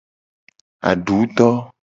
Adu do.